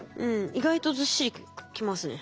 意外とずっしりきますね。